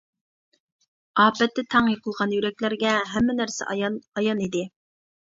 ئاپەتتە تەڭ يىقىلغان يۈرەكلەرگە ھەممە نەرسە ئايان ئايان ئىدى.